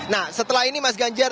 nah setelah ini mas ganjar